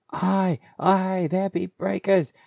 "Ay, ay, there be breakers!